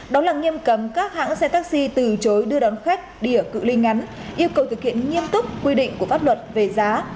đó là nghiêm cấm các hãng xe taxi từ chối đưa đón khách đi ở cự li ngắn yêu cầu thực hiện nghiêm túc quy định của pháp luật về giá